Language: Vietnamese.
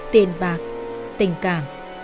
tiền bạc tình cảm